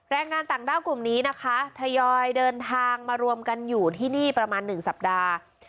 แรงงานต่างด้าวกลุ่มนี้นะคะทยอยเดินทางมารวมกันอยู่ที่นี่ประมาณ๑สัปดาห์